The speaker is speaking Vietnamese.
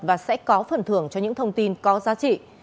và sẽ có phần thưởng cho những thông tin có giá trị